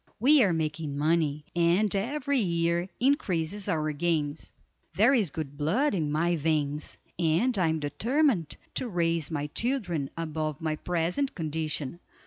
We are making money, and every year increases our gains. There is good blood in my veins, and I am determined to raise my children above my present condition.